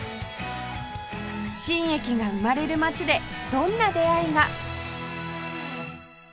新駅が生まれる街でどんな出会いが